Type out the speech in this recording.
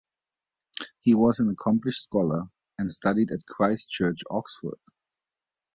He was an accomplished scholar, and studied at Christ Church, Oxford.